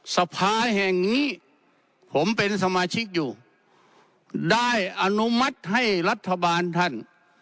สภาแห่งนี้ผมเป็นสมาชิกอยู่ได้อนุมัติให้รัฐบาลท่าน